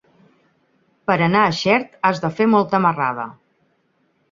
Per anar a Xert has de fer molta marrada.